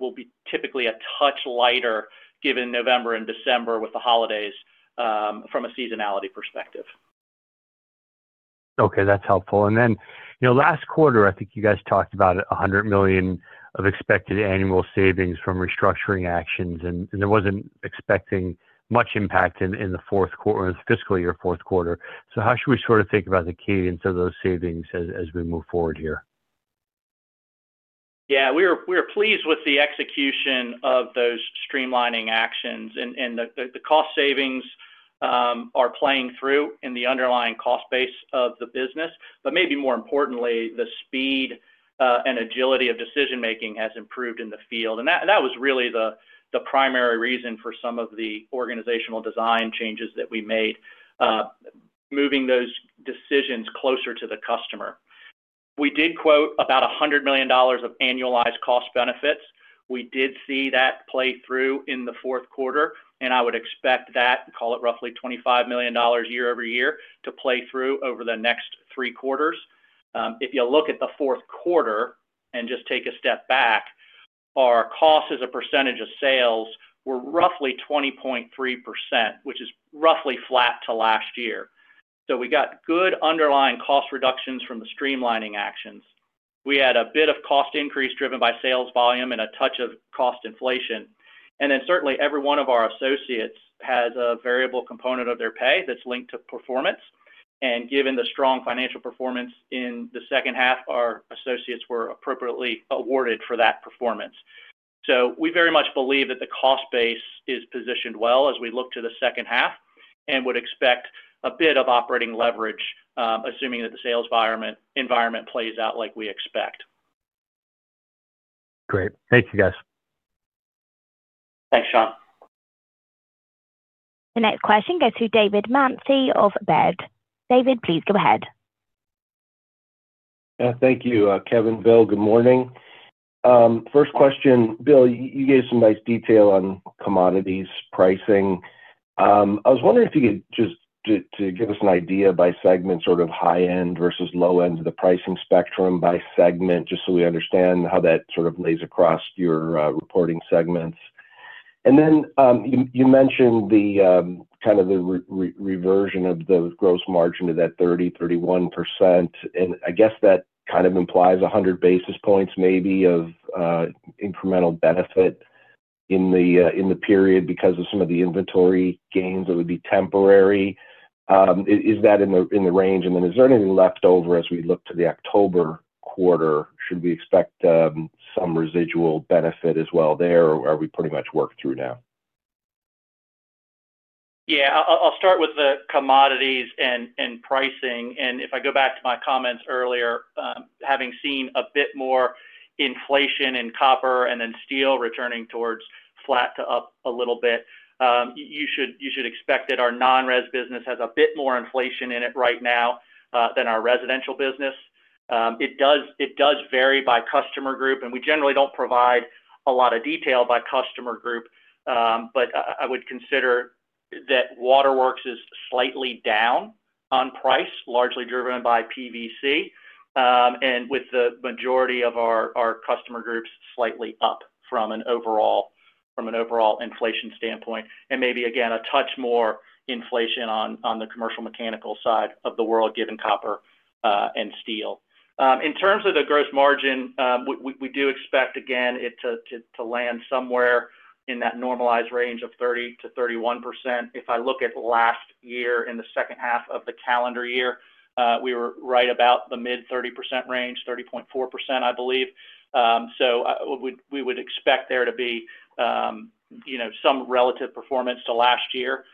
[SPEAKER 3] will be typically a touch lighter given November and December with the holidays from a seasonality perspective.
[SPEAKER 7] Okay, that's helpful. Last quarter, I think you guys talked about $100 million of expected annual savings from restructuring actions, and I wasn't expecting much impact in the fourth quarter of the fiscal year, fourth quarter. How should we sort of think about the cadence of those savings as we move forward here?
[SPEAKER 3] Yeah, we are pleased with the execution of those streamlining actions, and the cost savings are playing through in the underlying cost base of the business. Maybe more importantly, the speed and agility of decision-making has improved in the field. That was really the primary reason for some of the organizational design changes that we made, moving those decisions closer to the customer. We did quote about $100 million of annualized cost benefits. We did see that play through in the fourth quarter, and I would expect that, call it roughly $25 million year over year to play through over the next three quarters. If you look at the fourth quarter and just take a step back, our cost as a percentage of sales were roughly 20.3%, which is roughly flat to last year. We got good underlying cost reductions from the streamlining actions. We had a bit of cost increase driven by sales volume and a touch of cost inflation. Certainly, every one of our associates has a variable component of their pay that's linked to performance. Given the strong financial performance in the second half, our associates were appropriately awarded for that performance. We very much believe that the cost base is positioned well as we look to the second half and would expect a bit of operating leverage, assuming that the sales environment plays out like we expect.
[SPEAKER 7] Great. Thanks, you guys.
[SPEAKER 3] Thanks, Sean.
[SPEAKER 4] The next question goes to Brian Lantz of BED. Brian, please go ahead.
[SPEAKER 8] Yeah, thank you, Kevin, Bill. Good morning. First question, Bill, you gave some nice detail on commodities pricing. I was wondering if you could just give us an idea by segment, sort of high-end versus low-end of the pricing spectrum by segment, just so we understand how that sort of lays across your reporting segments. You mentioned the kind of the reversion of the gross margin to that 30, 31%. I guess that kind of implies 100 basis points maybe of incremental benefit in the period because of some of the inventory gains that would be temporary. Is that in the range? Is there anything left over as we look to the October quarter? Should we expect some residual benefit as well there, or are we pretty much worked through now?
[SPEAKER 2] Yeah, I'll start with the commodities and pricing. If I go back to my comments earlier, having seen a bit more inflation in copper and then steel returning towards flat to up a little bit, you should expect that our non-res business has a bit more inflation in it right now than our residential business. It does vary by customer group, and we generally don't provide a lot of detail by customer group. I would consider that waterworks is slightly down on price, largely driven by PVC, and with the majority of our customer groups slightly up from an overall inflation standpoint. Maybe, again, a touch more inflation on the commercial mechanical side of the world, given copper and steel. In terms of the gross margin, we do expect, again, it to land somewhere in that normalized range of 30% to 31%. If I look at last year in the second half of the calendar year, we were right about the mid-30% range, 30.4%, I believe. We would expect there to be some relative performance to last year.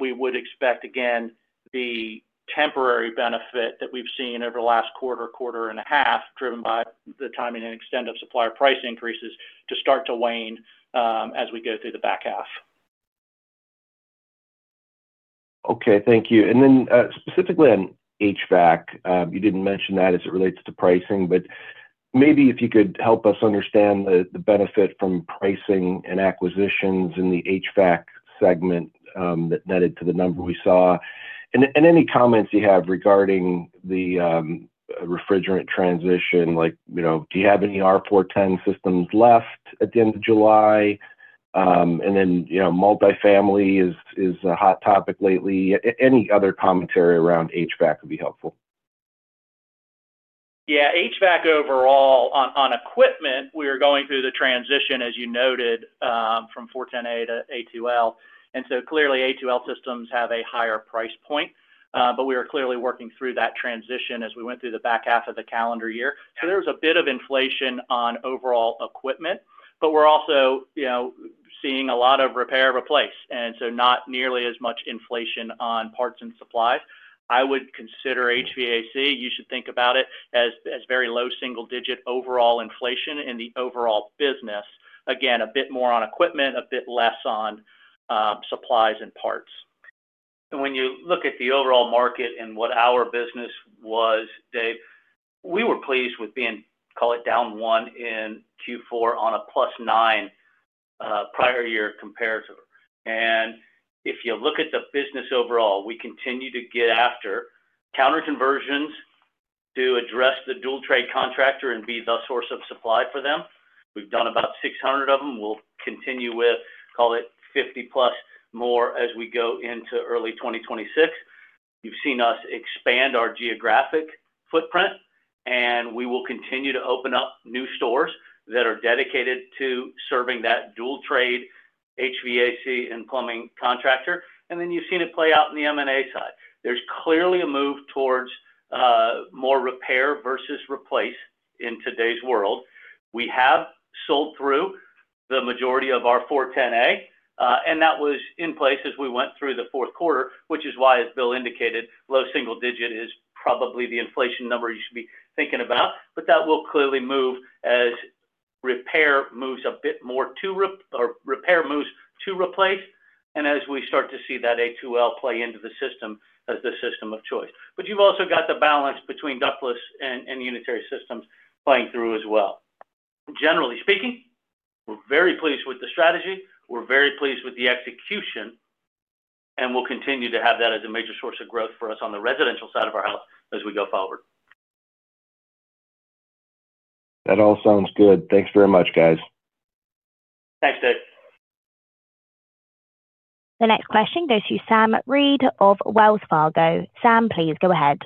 [SPEAKER 2] We would expect, again, the temporary benefit that we've seen over the last quarter, quarter and a half, driven by the timing and extent of supplier price increases, to start to wane as we go through the back half.
[SPEAKER 8] Okay, thank you. Specifically on HVAC, you didn't mention that as it relates to pricing, but maybe if you could help us understand the benefit from pricing and acquisitions in the HVAC segment that netted to the number we saw. Any comments you have regarding the refrigerant transition, like, you know, do you have any R410 systems left at the end of July? Multifamily is a hot topic lately. Any other commentary around HVAC would be helpful.
[SPEAKER 2] Yeah, HVAC overall on equipment, we are going through the transition, as you noted, from 410A to A2L. A2L systems have a higher price point. We are clearly working through that transition as we went through the back half of the calendar year. There is a bit of inflation on overall equipment. We're also seeing a lot of repair replace, and not nearly as much inflation on parts and supplies. I would consider HVAC, you should think about it as very low single-digit overall inflation in the overall business. Again, a bit more on equipment, a bit less on supplies and parts. When you look at the overall market and what our business was, Dave, we were pleased with being, call it down 1% in Q4 on a plus 9% prior year comparative. If you look at the business overall, we continue to get after counter conversions to address the dual-trade contractor and be the source of supply for them. We've done about 600 of them. We'll continue with, call it, 50 plus more as we go into early 2026. You've seen us expand our geographic footprint. We will continue to open up new stores that are dedicated to serving that dual-trade HVAC and plumbing contractor. You've seen it play out in the M&A side. There is clearly a move towards more repair versus replace in today's world. We have sold through the majority of our 410A. That was in place as we went through the fourth quarter, which is why, as Bill Brundage indicated, low single digit is probably the inflation number you should be thinking about. That will clearly move as repair moves a bit more to repair moves to replace. As we start to see that A2L play into the system as the system of choice, you've also got the balance between ductless and unitary systems playing through as well. Generally speaking, we're very pleased with the strategy. We're very pleased with the execution. We'll continue to have that as a major source of growth for us on the residential side of our house as we go forward.
[SPEAKER 8] That all sounds good. Thanks very much, guys.
[SPEAKER 2] Thanks, Dave.
[SPEAKER 4] The next question goes to Sam Reid of Wells Fargo. Sam, please go ahead.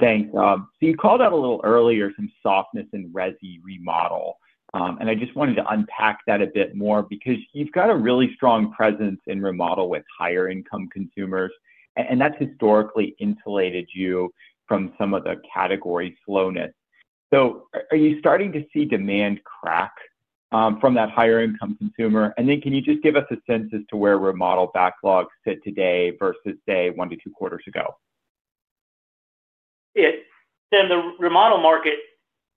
[SPEAKER 9] Thanks. You called out a little earlier some softness in residential remodel. I just wanted to unpack that a bit more because you've got a really strong presence in remodel with higher income consumers, and that's historically insulated you from some of the category slowness. Are you starting to see demand crack from that higher income consumer? Can you just give us a sense as to where remodel backlogs sit today versus, say, one to two quarters ago?
[SPEAKER 3] Yes. The remodel market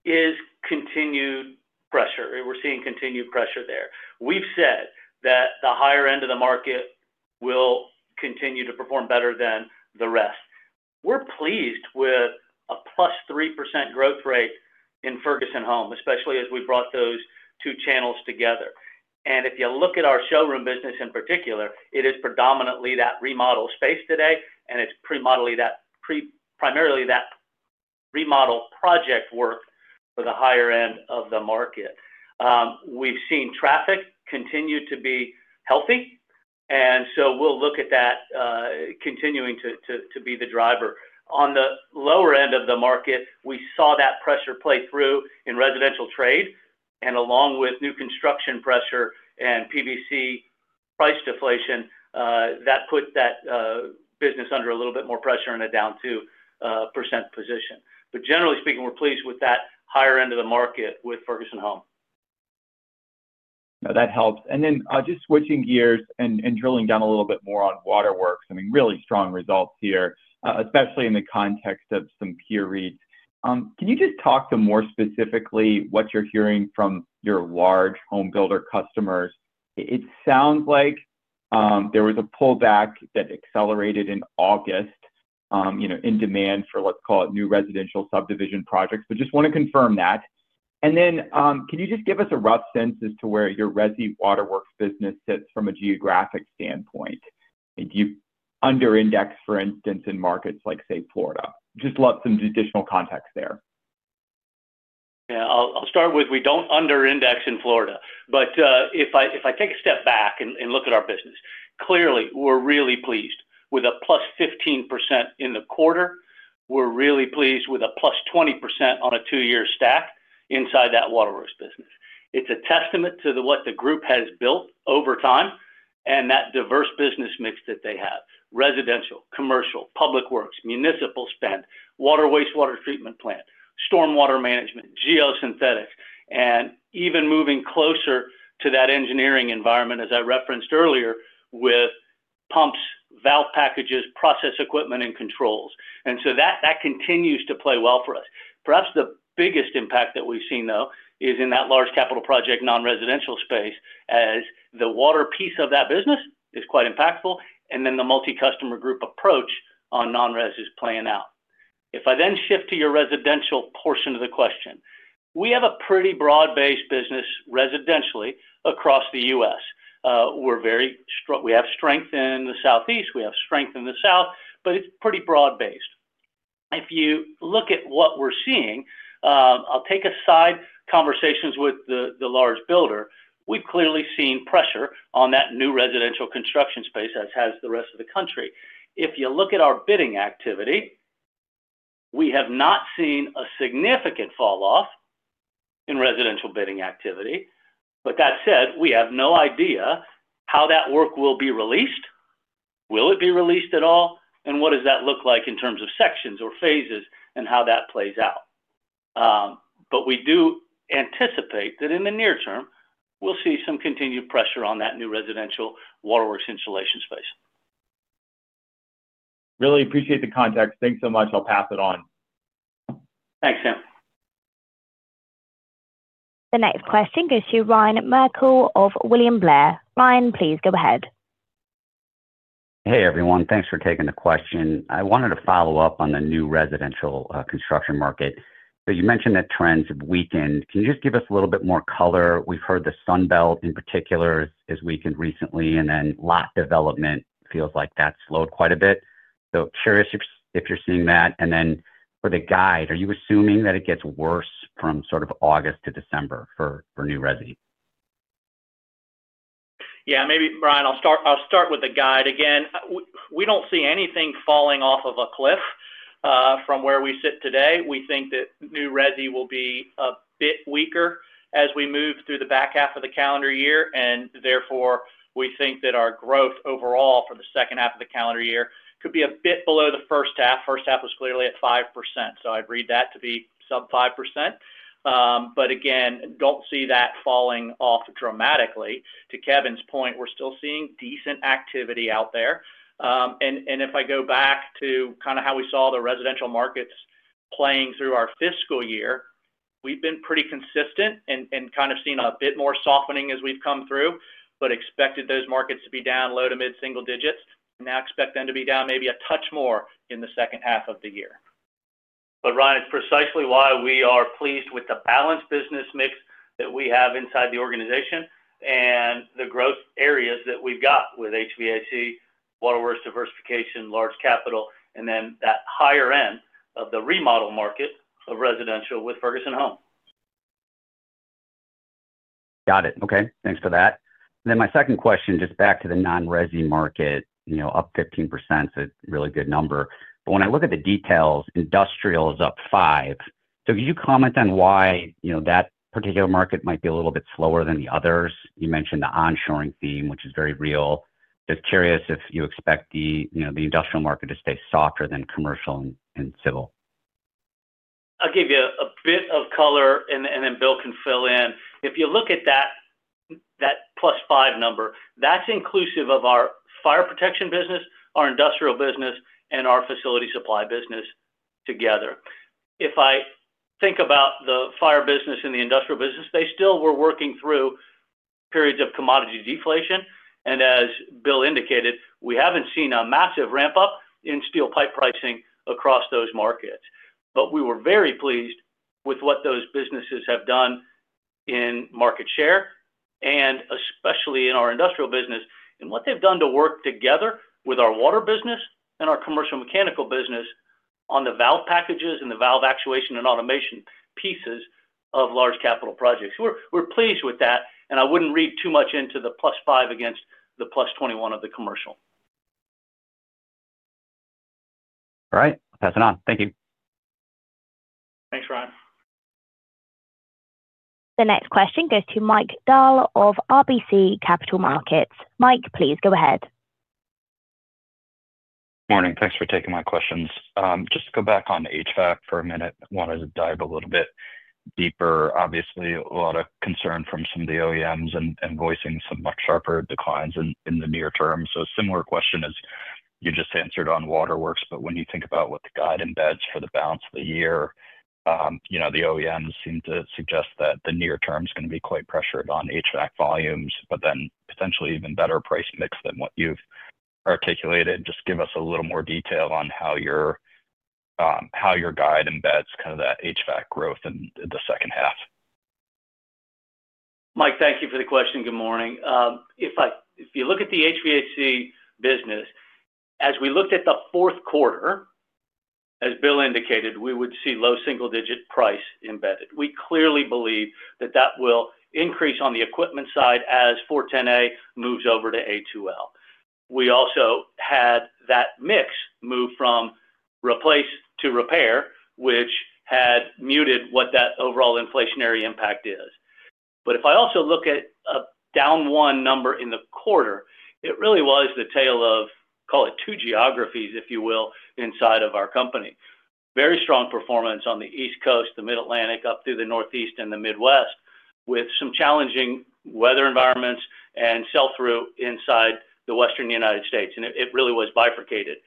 [SPEAKER 3] is continued pressure. We're seeing continued pressure there. We've said that the higher end of the market will continue to perform better than the rest. We're pleased with a +3% growth rate in Ferguson Home, especially as we brought those two channels together. If you look at our showroom business in particular, it is predominantly that remodel space today. It's primarily that remodel project work for the higher end of the market. We've seen traffic continue to be healthy, so we'll look at that continuing to be the driver. On the lower end of the market, we saw that pressure play through in residential trade. Along with new construction pressure and PVC price deflation, that put that business under a little bit more pressure in a down 2% position. Generally speaking, we're pleased with that higher end of the market with Ferguson Home.
[SPEAKER 9] That helps. Just switching gears and drilling down a little bit more on waterworks, I mean, really strong results here, especially in the context of some peer reads. Can you just talk to more specifically what you're hearing from your large home builder customers? It sounds like there was a pullback that accelerated in August, you know, in demand for what's called new residential subdivision projects. I just want to confirm that. Can you just give us a rough sense as to where your resi waterworks business sits from a geographic standpoint? Do you under-index, for instance, in markets like, say, Florida? I'd love some additional context there.
[SPEAKER 2] Yeah, I'll start with we don't under-index in Florida. If I take a step back and look at our business, clearly, we're really pleased with a +15% in the quarter. We're really pleased with a +20% on a two-year stack inside that waterworks business. It's a testament to what the group has built over time and that diverse business mix that they have: residential, commercial, public works, municipal spend, water wastewater treatment plant, stormwater management, geosynthetics, and even moving closer to that engineering environment, as I referenced earlier, with pumps, valve packages, process equipment, and controls. That continues to play well for us. Perhaps the biggest impact that we've seen is in that large capital project non-residential space as the water piece of that business is quite impactful. The multi-customer group approach on non-res is playing out. If I then shift to your residential portion of the question, we have a pretty broad-based business residentially across the U.S. We have strength in the Southeast. We have strength in the South. It's pretty broad-based. If you look at what we're seeing, I'll take aside conversations with the large builder. We've clearly seen pressure on that new residential construction space, as has the rest of the country. If you look at our bidding activity, we have not seen a significant falloff in residential bidding activity. That said, we have no idea how that work will be released, will it be released at all, and what does that look like in terms of sections or phases and how that plays out. We do anticipate that in the near term, we'll see some continued pressure on that new residential waterworks installation space.
[SPEAKER 9] Really appreciate the context. Thanks so much. I'll pass it on.
[SPEAKER 3] Thanks, Sam.
[SPEAKER 4] The next question goes to Ryan Merkel of William Blair. Ryan, please go ahead.
[SPEAKER 10] Hey, everyone. Thanks for taking the question. I wanted to follow up on the new residential construction market. You mentioned that trends have weakened. Can you just give us a little bit more color? We've heard the Sunbelt in particular has weakened recently, and Lot development feels like that's slowed quite a bit. Curious if you're seeing that. For the guide, are you assuming that it gets worse from August to December for new resi?
[SPEAKER 3] Yeah, maybe, Brian, I'll start with the guide. Again, we don't see anything falling off of a cliff from where we sit today. We think that new resi will be a bit weaker as we move through the back half of the calendar year. Therefore, we think that our growth overall for the second half of the calendar year could be a bit below the first half. First half was clearly at 5%. I'd read that to be sub 5%. Again, don't see that falling off dramatically. To Kevin's point, we're still seeing decent activity out there. If I go back to kind of how we saw the residential markets playing through our fiscal year, we've been pretty consistent and kind of seen a bit more softening as we've come through, but expected those markets to be down low to mid-single digits. Now expect them to be down maybe a touch more in the second half of the year. Ryan, it's precisely why we are pleased with the balanced business mix that we have inside the organization and the growth areas that we've got with HVAC, waterworks diversification, large capital, and then that higher end of the remodel market of residential with Ferguson Home.
[SPEAKER 10] Got it. Okay. Thanks for that. My second question, just back to the non-resi market, you know, up 15% is a really good number. When I look at the details, industrial is up 5%. Could you comment on why, you know, that particular market might be a little bit slower than the others? You mentioned the onshoring theme, which is very real. Just curious if you expect the, you know, the industrial market to stay softer than commercial and civil.
[SPEAKER 2] I'll give you a bit of color, and then Bill can fill in. If you look at that plus 5 number, that's inclusive of our fire protection business, our industrial business, and our facility supply business together. If I think about the fire business and the industrial business, they still were working through periods of commodity deflation. As Bill indicated, we haven't seen a massive ramp-up in steel pipe pricing across those markets. We were very pleased with what those businesses have done in market share, and especially in our industrial business, and what they've done to work together with our water business and our commercial mechanical business on the valve packages and the valve actuation and automation pieces of large capital projects. We're pleased with that. I wouldn't read too much into the plus 5 against the plus 21 of the commercial.
[SPEAKER 10] All right, passing on. Thank you.
[SPEAKER 2] Thanks, Ryan.
[SPEAKER 4] The next question goes to Mike Powell of RBC Capital Markets. Mike, please go ahead.
[SPEAKER 11] Morning. Thanks for taking my questions. Just to go back on HVAC for a minute, I wanted to dive a little bit deeper. Obviously, a lot of concern from some of the OEMs and voicing some much sharper declines in the near term. A similar question as you just answered on waterworks, but when you think about what the guide embeds for the balance of the year, you know, the OEMs seem to suggest that the near term is going to be quite pressured on HVAC volumes, but then potentially even better price mix than what you've articulated. Just give us a little more detail on how your guide embeds kind of that HVAC growth in the second half.
[SPEAKER 2] Mike, thank you for the question. Good morning. If you look at the HVAC business, as we looked at the fourth quarter, as Bill indicated, we would see low single-digit price embedded. We clearly believe that that will increase on the equipment side as 410A moves over to A2L. We also had that mix move from replace to repair, which had muted what that overall inflationary impact is. If I also look at a down one number in the quarter, it really was the tale of, call it, two geographies, if you will, inside of our company. Very strong performance on the East Coast, the Mid-Atlantic, up through the Northeast and the Midwest, with some challenging weather environments and sell-through inside the Western United States. It really was bifurcated.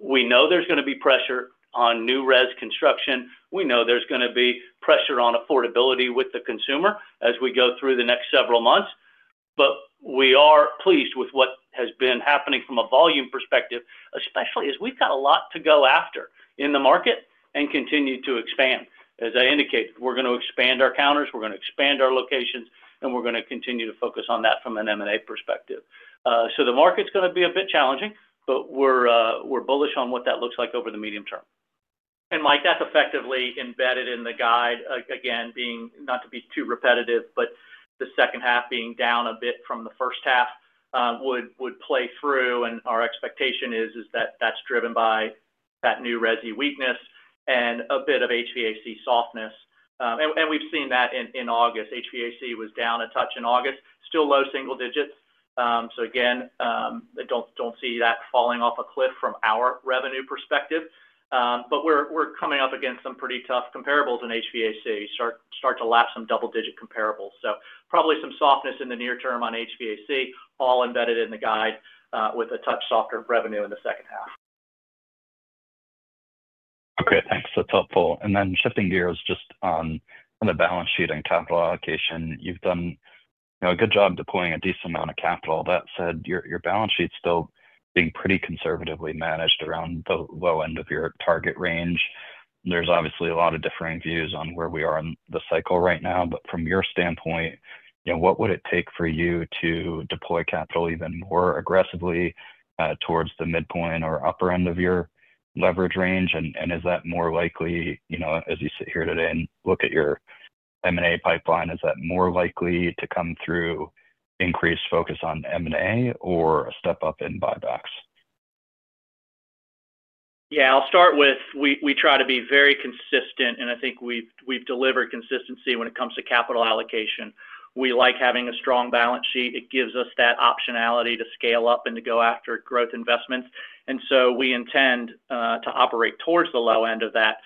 [SPEAKER 2] We know there's going to be pressure on new res construction. We know there's going to be pressure on affordability with the consumer as we go through the next several months. We are pleased with what has been happening from a volume perspective, especially as we've got a lot to go after in the market and continue to expand. As I indicated, we're going to expand our counters, we're going to expand our locations, and we're going to continue to focus on that from an M&A perspective. The market's going to be a bit challenging, but we're bullish on what that looks like over the medium term. Mike, that's effectively embedded in the guide, again, being not to be too repetitive, but the second half being down a bit from the first half would play through. Our expectation is that that's driven by that new resi weakness and a bit of HVAC softness. We've seen that in August. HVAC was down a touch in August, still low single digits. I don't see that falling off a cliff from our revenue perspective. We're coming up against some pretty tough comparables in HVAC. Start to lapse some double-digit comparables. Probably some softness in the near term on HVAC, all embedded in the guide with a touch softer revenue in the second half.
[SPEAKER 11] Okay, thanks. That's helpful. Shifting gears just on the balance sheet and capital allocation, you've done a good job deploying a decent amount of capital. That said, your balance sheet's still being pretty conservatively managed around the low end of your target range. There's obviously a lot of differing views on where we are in the cycle right now. From your standpoint, what would it take for you to deploy capital even more aggressively towards the midpoint or upper end of your leverage range? Is that more likely, as you sit here today and look at your M&A pipeline, to come through increased focus on M&A or a step up in buybacks?
[SPEAKER 2] Yeah, I'll start with we try to be very consistent, and I think we've delivered consistency when it comes to capital allocation. We like having a strong balance sheet. It gives us that optionality to scale up and to go after growth investments. We intend to operate towards the low end of that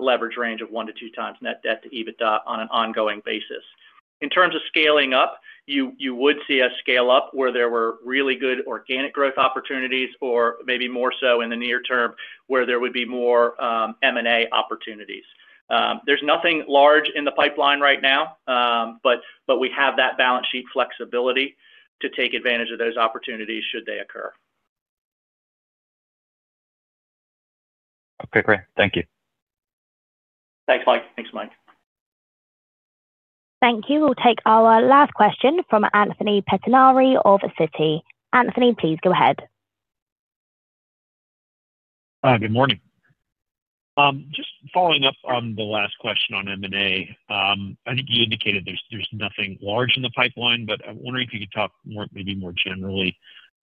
[SPEAKER 2] leverage range of one to two times net debt to EBITDA on an ongoing basis. In terms of scaling up, you would see us scale up where there were really good organic growth opportunities or maybe more so in the near term where there would be more M&A opportunities. There's nothing large in the pipeline right now, but we have that balance sheet flexibility to take advantage of those opportunities should they occur.
[SPEAKER 11] Okay, great. Thank you.
[SPEAKER 2] Thanks, Mike.
[SPEAKER 4] Thank you. We'll take our last question from Anthony Petinari of Citi. Anthony, please go ahead.
[SPEAKER 12] Hi, good morning. Just following up on the last question on M&A, I think you indicated there's nothing large in the pipeline, but I'm wondering if you could talk maybe more generally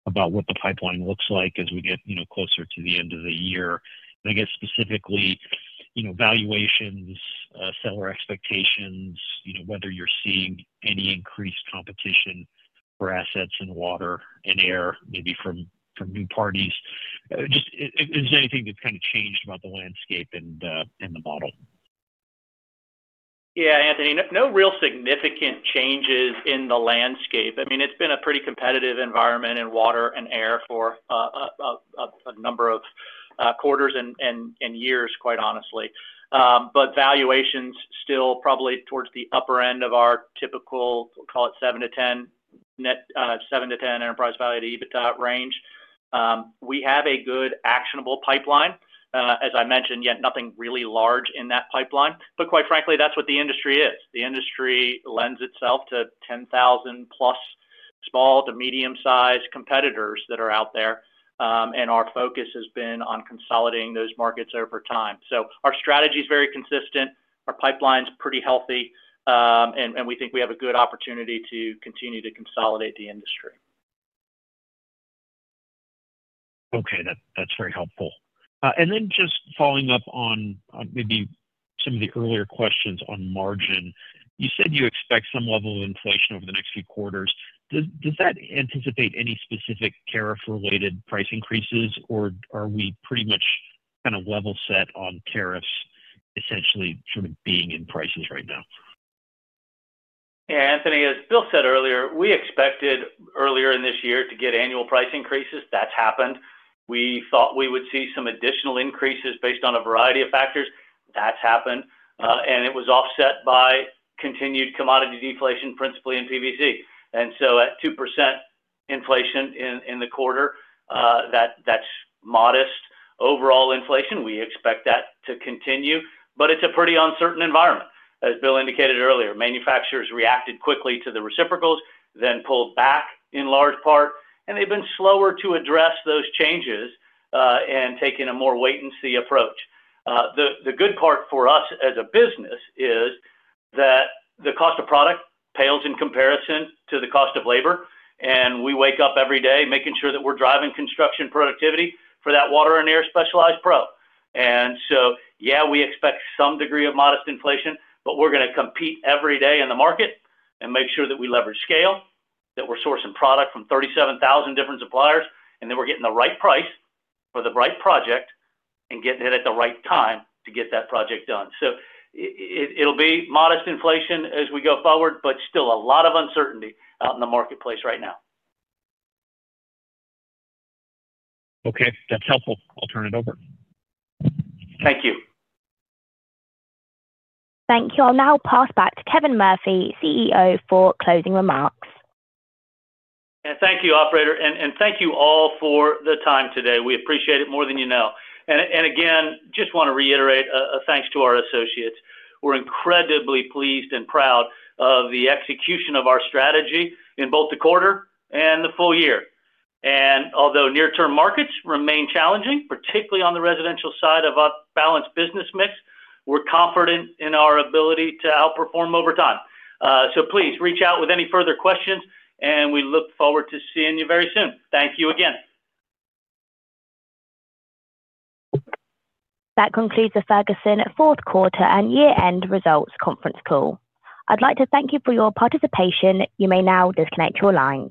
[SPEAKER 12] about what the pipeline looks like as we get closer to the end of the year. I guess specifically, you know, valuations, seller expectations, whether you're seeing any increased competition for assets in water and air, maybe from new parties. Is there anything that's kind of changed about the landscape and the model?
[SPEAKER 2] Yeah, Anthony, no real significant changes in the landscape. I mean, it's been a pretty competitive environment in water and air for a number of quarters and years, quite honestly. Valuations still probably towards the upper end of our typical, call it 7 to 10, 7 to 10 enterprise value to EBITDA range. We have a good actionable pipeline. As I mentioned, nothing really large in that pipeline. Quite frankly, that's what the industry is. The industry lends itself to 10,000 plus small to medium-sized competitors that are out there. Our focus has been on consolidating those markets over time. Our strategy is very consistent. Our pipeline is pretty healthy, and we think we have a good opportunity to continue to consolidate the industry.
[SPEAKER 12] Okay, that's very helpful. Just following up on maybe some of the earlier questions on margin, you said you expect some level of inflation over the next few quarters. Does that anticipate any specific tariff-related price increases, or are we pretty much kind of level set on tariffs essentially sort of being in prices right now?
[SPEAKER 2] Yeah, Anthony, as Bill Brundage said earlier, we expected earlier in this year to get annual price increases. That's happened. We thought we would see some additional increases based on a variety of factors. That's happened. It was offset by continued commodity deflation, principally in PVC. At 2% inflation in the quarter, that's modest overall inflation. We expect that to continue. It's a pretty uncertain environment. As Bill Brundage indicated earlier, manufacturers reacted quickly to the reciprocals, then pulled back in large part. They've been slower to address those changes and taken a more wait-and-see approach. The good part for us as a business is that the cost of product pales in comparison to the cost of labor. We wake up every day making sure that we're driving construction productivity for that water and air specialized pro. We expect some degree of modest inflation, but we're going to compete every day in the market and make sure that we leverage scale, that we're sourcing product from 37,000 different suppliers, and that we're getting the right price for the right project and getting it at the right time to get that project done. It will be modest inflation as we go forward, but still a lot of uncertainty out in the marketplace right now.
[SPEAKER 12] Okay, that's helpful. I'll turn it over.
[SPEAKER 2] Thank you.
[SPEAKER 4] Thank you. I'll now pass back to Kevin Murphy, CEO, for closing remarks.
[SPEAKER 2] Thank you, operator. Thank you all for the time today. We appreciate it more than you know. I just want to reiterate a thanks to our associates. We're incredibly pleased and proud of the execution of our strategy in both the quarter and the full year. Although near-term markets remain challenging, particularly on the residential side of a balanced business mix, we're confident in our ability to outperform over time. Please reach out with any further questions, and we look forward to seeing you very soon. Thank you again.
[SPEAKER 4] That concludes the Ferguson fourth quarter and year-end results conference call. I'd like to thank you for your participation. You may now disconnect your line.